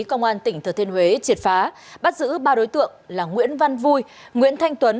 công an tỉnh thừa thiên huế triệt phá bắt giữ ba đối tượng là nguyễn văn vui nguyễn thanh tuấn